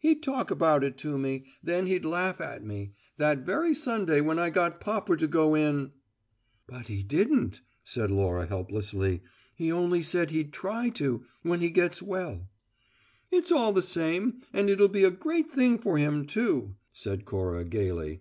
He'd talk about it to me; then he'd laugh at me. That very Sunday when I got papa to go in " "But he didn't," said Laura helplessly. "He only said he'd try to when he gets well." "It's all the same and it'll be a great thing for him, too," said Cora, gayly.